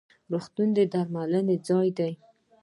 روغتون د درملنې ځای دی